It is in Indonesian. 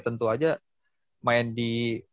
tentu aja main di